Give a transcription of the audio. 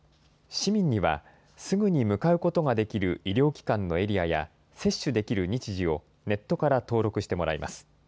市民には、すぐに向かうことができる医療機関のエリアや、接種できる日時をネットから登録してもらいます。